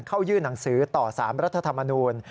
เข้ายื่นหนังสือต่อ๓รัฐธรรมนูล